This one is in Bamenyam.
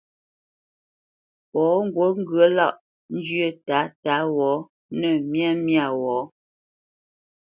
Pɔ̌ ŋgǔt ŋgyə̌ lâʼ njyə́ tǎtǎ wɔ̌ nə̂ tǎmyā wɔ̌.